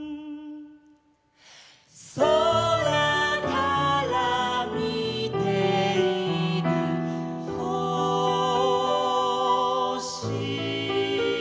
「そらからみている」「ほしを」